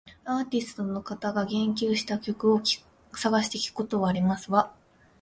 アーティストの方が言及した曲を探して聞くことはありますわ